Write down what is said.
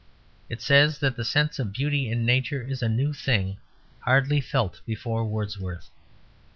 It says that the sense of beauty in Nature is a new thing, hardly felt before Wordsworth.